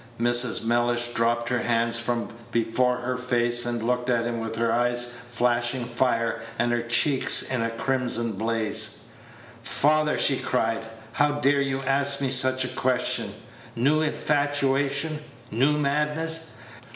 Mrs. Mellish dropped her hands from before her face, and looked at him with her eyes flashing fire, and her cheeks in a crimson blaze. "Father," she cried, "how dare you ask me such a question? New infatuation! New madness!